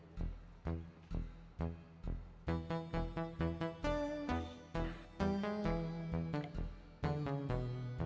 ambil ambil caranya merah